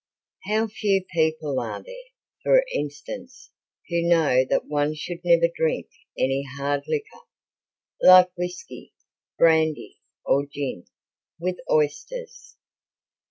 How few people are there, for instance, who know that one should never drink any hard liquor, like whisky, brandy, or gin, with oysters.